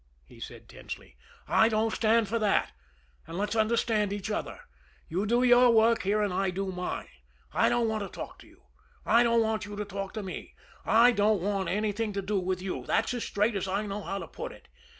he said tensely. "I don't stand for that! And let's understand each other. You do your work here, and I do mine. I don't want to talk to you. I don't want you to talk to me. I don't want anything to do with you that's as straight as I know how to put it.